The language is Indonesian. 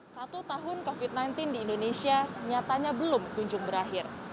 satu tahun covid sembilan belas di indonesia nyatanya belum kunjung berakhir